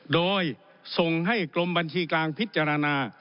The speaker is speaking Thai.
โดยส่งให้กรมบัญชีกลางพิจารณา